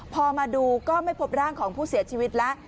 พอมาดูก็ไม่พบร่างของผู้เสียชีวิตแล้ว